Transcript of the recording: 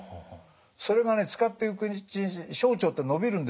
それがね使っていくうちに小腸って伸びるんですって。